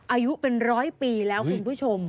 อายุเป็นร้อยปีแล้วคุณผู้ชม